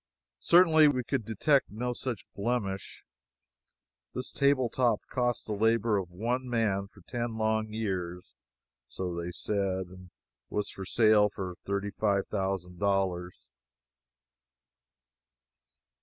Certainly we could detect no such blemish. This table top cost the labor of one man for ten long years, so they said, and it was for sale for thirty five thousand dollars.